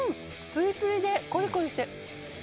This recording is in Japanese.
プリプリでコリコリして。